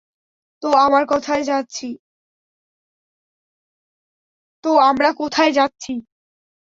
তো, আমরা কোথায় যাচ্ছি?